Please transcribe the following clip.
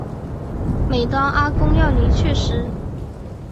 每当阿公要离去时